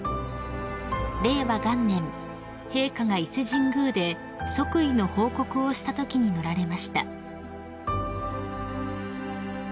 ［令和元年陛下が伊勢神宮で即位の報告をしたときに乗られました］